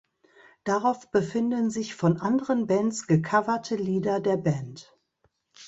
Darauf befinden sich von anderen Bands gecoverte Lieder der Band.